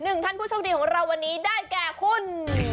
หนึ่งท่านผู้โชคดีของเราวันนี้ได้แก่คุณ